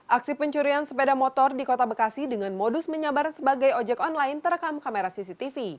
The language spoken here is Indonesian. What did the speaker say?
aksi pencurian sepeda motor di kota bekasi dengan modus menyabar sebagai ojek online terekam kamera cctv